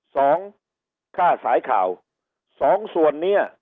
สองค่าสายข่าวสองส่วนเนี้ย